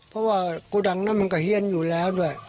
เพราะว่าโกดังนั้นมันก็เฮียนอยู่แล้วด้วย